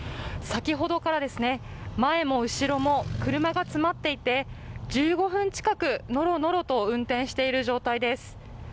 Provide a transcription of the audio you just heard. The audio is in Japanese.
先ほどから前も後ろも車が詰まっていて１５分近く、のろのろと運転している状態です。